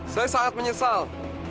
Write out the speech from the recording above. saya sangat menyesal